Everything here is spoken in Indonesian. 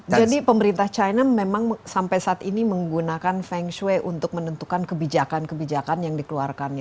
jadi pemerintah china memang sampai saat ini menggunakan feng shui untuk menentukan kebijakan kebijakan yang dikeluarkan